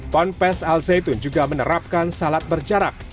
ponpes al zaitun juga menerapkan salat berjarak